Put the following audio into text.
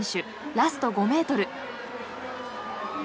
ラスト５ｍ。